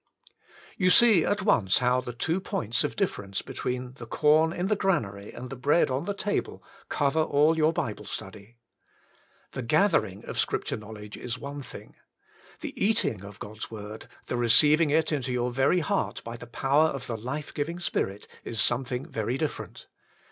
You see at once how the two points of difference between the corn in the granary and the bread on the table, cover all your Bible study. The gathering of Scripture knowledge is one thing. The eating of God^s word, the receiving it into your very heart by the power of the life giving Spirit, is something very different.